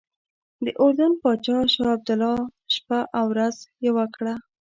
د اردن پاچا شاه عبدالله شپه او ورځ یوه کړه.